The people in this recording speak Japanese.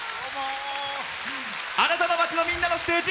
あなたの街の、みんなのステージ。